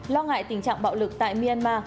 lo ngại tình trạng bạo lực tại myanmar